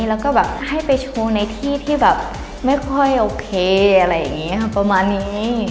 แล้วก็แบบให้ไปโชว์ในที่ที่แบบไม่ค่อยโอเคอะไรอย่างนี้ค่ะประมาณนี้